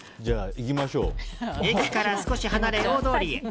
駅から少し離れ、大通りへ。